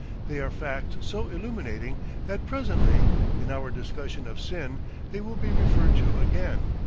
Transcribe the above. They are facts so illuminating that presently, in our discussion of sin, they will be referred to again.